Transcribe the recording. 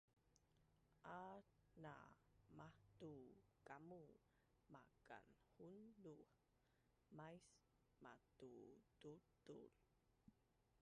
At na mahtu kamu makanhunduh mais matuduldul